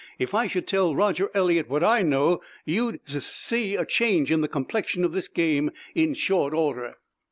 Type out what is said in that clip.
If I should tell Roger Eliot what I know you'd sus see a change in the complexion of this game in short order."